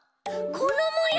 このもよう！？